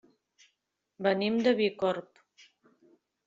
Venim de Bicorb.